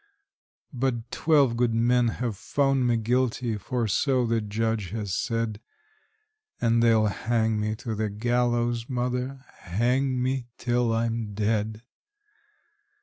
But twelve good men have found me guilty, for so the Judge has said, And they'll hang me to the gallows, mother hang me till I'm dead!